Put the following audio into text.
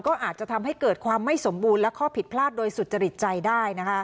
ก็อาจจะทำให้เกิดความไม่สมบูรณ์และข้อผิดพลาดโดยสุจริตใจได้